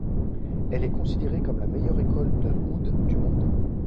Elle est considérée comme la meilleure école de oud du monde.